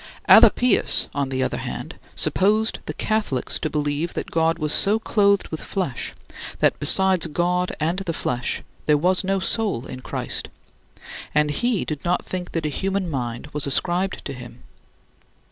Alypius, on the other hand, supposed the Catholics to believe that God was so clothed with flesh that besides God and the flesh there was no soul in Christ, and he did not think that a human mind was ascribed to him.